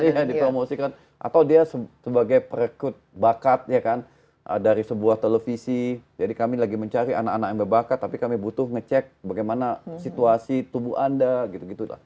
iya dipromosikan atau dia sebagai perekrut bakat ya kan dari sebuah televisi jadi kami lagi mencari anak anak yang berbakat tapi kami butuh ngecek bagaimana situasi tubuh anda gitu gitu lah